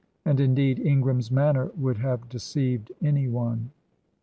And, indeed, Ingram's manner would have deceived any one.